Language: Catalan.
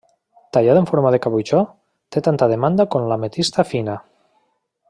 Tallada en forma de caboixó té tanta demanda com l'ametista fina.